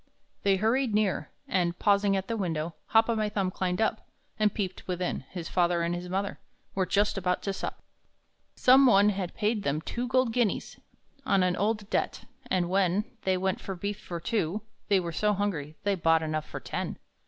They hurried near, and, pausing at the window, Hop o'my Thumb climbed up, And peeped within; his father and his mother Were just about to sup. Some one had paid them two gold guineas On an old debt; and when They went for beef for two, they were so hungry They bought enough for ten.